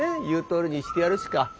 言うとおりにしてやるしか。